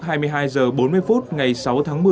hai mươi hai h bốn mươi phút ngày sáu tháng một mươi